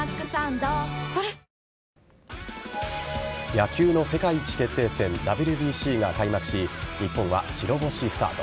野球の世界一決定戦ＷＢＣが開幕し日本は白星スタート。